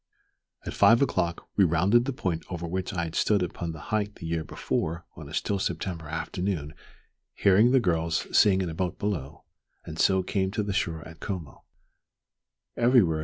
At five o'clock we rounded the point over which I had stood upon the height the year before on a still September afternoon hearing the girls sing in a boat below, and so came to the shore at Como.